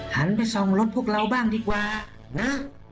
หันไปส่องรถพวกเราบ้างดีกว่านะ